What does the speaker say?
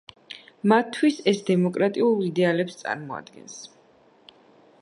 მათთვის ეს დემოკრატიულ იდეალებს წარმოადგენს.